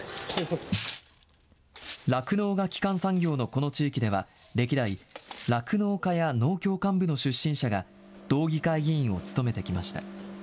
酪農が基幹産業のこの地域では、歴代、酪農家や農協幹部の出身者が道議会議員を務めてきました。